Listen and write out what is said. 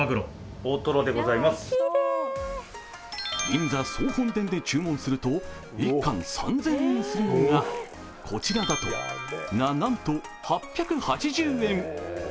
銀座総本店で注文すると１貫３０００円もするのがこちらだと、な、なんと８８０円。